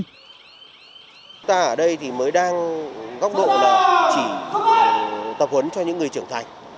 chúng ta ở đây thì mới đang góc độ là chỉ tập huấn cho những người trưởng thành